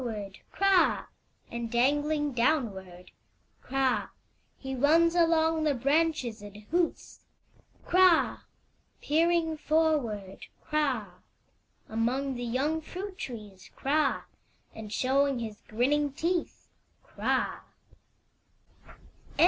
Peering forward, Kra! And dangling downward, Kra! He mns along the branches and hoots, Kra! Peering forward, Kra! Among the young fmit trees, Kra! And showing his grinning teeth, Kra!